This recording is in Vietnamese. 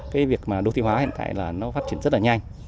cái việc đô thị hóa hiện tại nó phát triển rất là nhanh